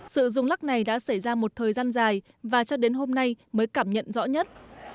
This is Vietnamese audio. sự rung lắc này đã xảy ra một thời gian dài và cho đến hôm nay mới cảm nhận rõ nhất